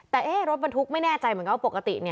แต่รถบันทึกไม่แน่ใจเหมือนกับปกติ